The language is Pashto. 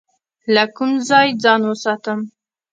له کوم ځای ځان وساتم؟